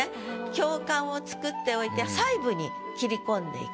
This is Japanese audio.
共感をつくっておいて細部に切り込んでいく。